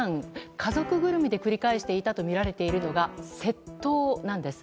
家族ぐるみで繰り返していたとみられるのが窃盗なんです。